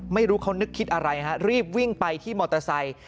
ไม่รู้เขานึกคิดอะไรฮะรีบวิ่งไปที่มอเตอร์ไซค์